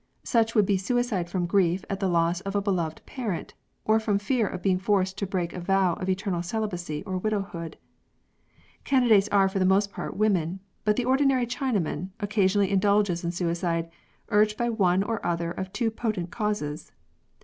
Such would be suicide from grief at the loss of a beloved parent, or from fear of being forced to break a vow of eternal celibacy or widowhood. Candidates are for the most part women, but the ordinary Chinaman occasionally indulges in suicide, urged by one or other of two potent causes.